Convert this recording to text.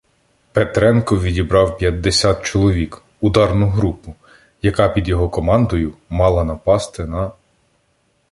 Петренко відібрав п'ятдесят чоловік — ударну групу, яка під його командою мала напасти на